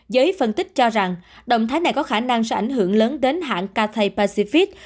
giới phân tích cho rằng động thái này có khả năng sẽ ảnh hưởng lớn đến hãng katay pacific